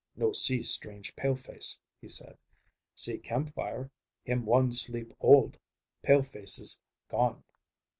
"No see strange pale face," he said. "See campfire. Him one sleep old. Pale faces gone."